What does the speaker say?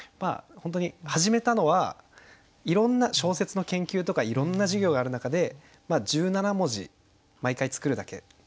本当に始めたのはいろんな小説の研究とかいろんな授業がある中で１７文字毎回作るだけ。